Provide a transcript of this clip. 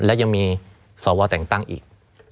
และยังมีสวแต่งตั้งอีก